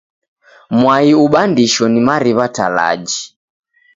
Mwai ubandisho na mariw'a talaji.